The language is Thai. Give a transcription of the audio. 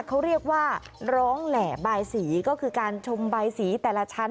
เขาเรียกว่าร้องแหล่บายสีก็คือการชมใบสีแต่ละชั้น